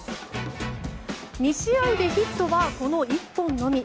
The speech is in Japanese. ２試合で、ヒットはこの１本のみ。